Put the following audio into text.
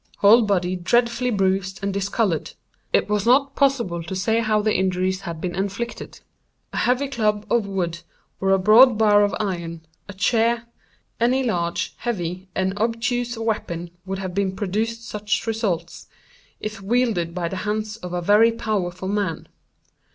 Whole body dreadfully bruised and discolored. It was not possible to say how the injuries had been inflicted. A heavy club of wood, or a broad bar of iron—a chair—any large, heavy, and obtuse weapon would have produced such results, if wielded by the hands of a very powerful man.